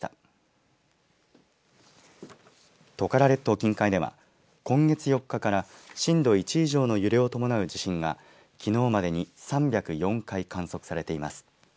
近海では今月４日から震度１以上の揺れを伴う地震がきのうまでに３０４回観測されています。